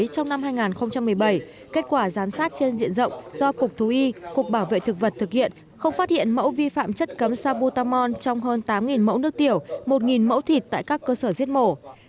trong năm hai nghìn một mươi bảy kết quả giám sát trên diện rộng do cục thú y cục bảo vệ thực vật thực hiện không phát hiện mẫu vi phạm chất cấm sabutamon trong hơn tám mẫu nước tiểu một mẫu thịt tại các cơ sở giết mổ